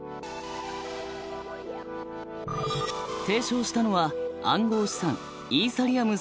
提唱したのは暗号資産イーサリアム